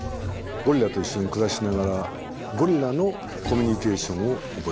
ゴリラと一緒に暮らしながらゴリラのコミュニケーションを覚えました。